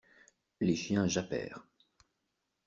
Les chiens jappèrent.